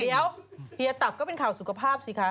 เดี๋ยวเฮียตับก็เป็นข่าวสุขภาพสิคะ